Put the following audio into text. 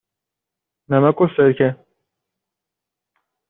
نمک و سرکه.